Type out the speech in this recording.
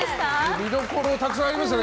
見どころたくさんありましたね